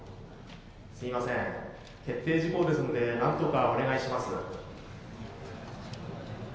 「すいません決定事項ですのでなんとかお願いします」。